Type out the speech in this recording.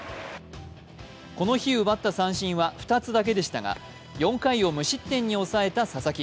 この日奪った三振は２つだけでしたが４回を無失点に抑えた佐々木。